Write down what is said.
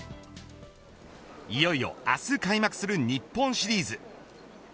いよいよ明日開幕する日本シリーズ。